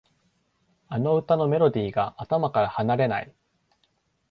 あの歌のメロディーが頭から離れない